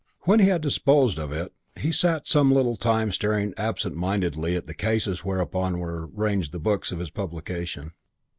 When he had disposed of it he sat some little time staring absent mindedly at the cases whereon were ranged the books of his publication.